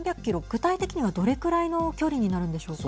具体的にはどれくらいの距離になるんでしょうか。